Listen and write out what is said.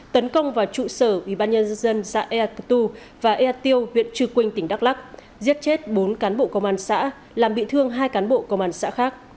tấn công vào trụ sở ubnd xã eak tu và eak teo viện trừ quynh tỉnh đắk lắc giết chết bốn cán bộ công an xã làm bị thương hai cán bộ công an xã khác